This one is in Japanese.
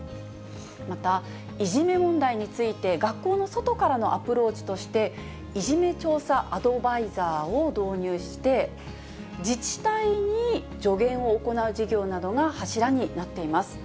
また、いじめ問題について、学校の外からのアプローチとして、いじめ調査アドバイザーを導入して、自治体に助言を行う事業などが柱になっています。